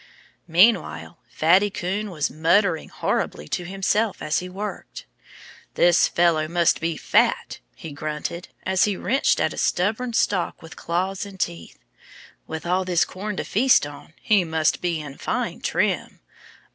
Meanwhile Fatty Coon was muttering horribly to himself as he worked. "This fellow must be fat," he grunted, as he wrenched at a stubborn stalk with claws and teeth. "With all this corn to feast on he must be in fine trim.